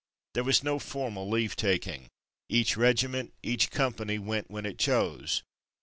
There was no formal leave taking. Each regiment, each company, went when it chose.